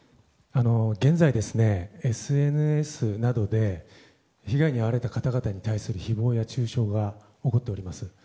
現在、ＳＮＳなどで被害に遭われた方々に対する誹謗や中傷が起こっております。